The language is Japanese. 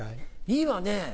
いいわね。